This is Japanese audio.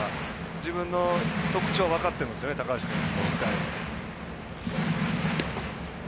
自分の特徴を分かっていますよね、高橋君は。